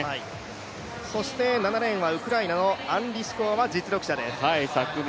そして７レーンはウクライナのアン・リシコワも実力者です。